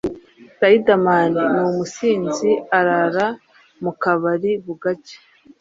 Riderman ni umusinzi arara mu kabari bugacya